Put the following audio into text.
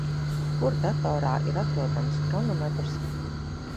Kur datorā ir atrodams hronometrs?